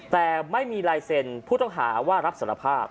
แต่ไม่มีลายเซ็นผู้ต้องหาว่ารับสารภาพ